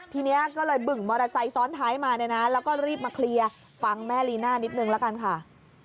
ทีนี้ก็เลยบึงมอเตอร์ไซค์ซ้อนท้ายมาเนี่ยนะแล้วก็รีบมาเคลียร์ฟังแม่ลีน่านิดนึงละกันค่ะ